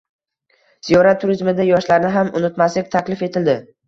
Ziyorat turizmida yoshlarni ham unutmaslik taklif etildi